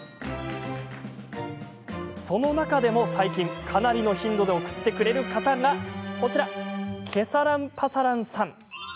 その中でも、最近かなりの頻度で送ってくれる方がこちらのケサランパサランさん。